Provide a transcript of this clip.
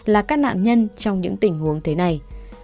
là các nạn nhân trong những tình huống thế này